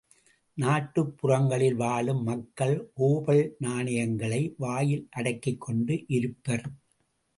நாட்டுப் புறங்களில் வாழும் மக்கள் ஒபல் நாணயங்களை வாயில் அடக்கிக் கொண்டு இருப்பர்.